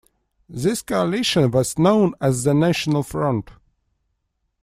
This coalition was known as the National Front.